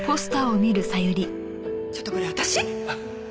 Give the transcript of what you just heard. ちょっとこれ私？